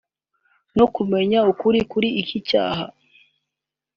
no kumenya ukuri kuri iki cyaha